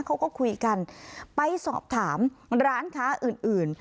เขาก็คุยกันไปสอบถามร้านค้าอื่นอื่น